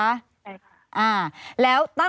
ใช่ค่ะ